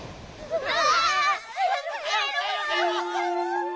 うわ！